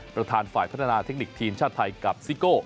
ประธานฝ่ายพัฒนาเทคนิคทีมชาติไทยกับซิโก้